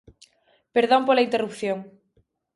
Perdón pola interrupción.